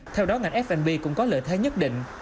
theo đó ngành fnp cũng có lợi thế nhất định